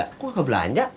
kok nggak kebelanja